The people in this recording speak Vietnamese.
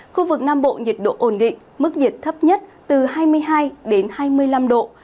khu vực nam bộ nhiệt độ ổn định mức nhiệt thấp nhất từ hai mươi hai đến hai mươi năm độ